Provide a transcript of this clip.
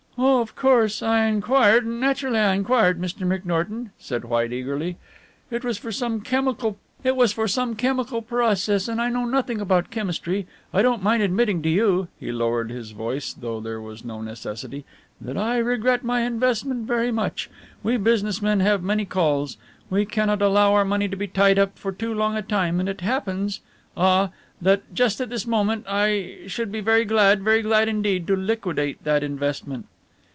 "Oh, of course, I inquired, naturally I inquired, Mr. McNorton," said White eagerly, "it was for some chemical process and I know nothing about chemistry. I don't mind admitting to you," he lowered his voice, though there was no necessity, "that I regret my investment very much. We business men have many calls. We cannot allow our money to be tied up for too long a time, and it happens ah that just at this moment I should be very glad, very glad indeed, to liquidate that investment."